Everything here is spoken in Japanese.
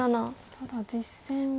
ただ実戦は。